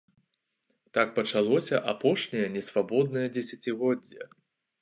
Так пачалося апошняе несвабоднае дзесяцігоддзе.